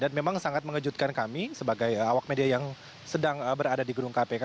dan memang sangat mengejutkan kami sebagai awak media yang sedang berada di gedung kpk